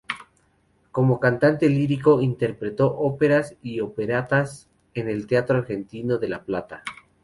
Como cantante lírico interpretó óperas y operetas en el Teatro Argentino de La Plata.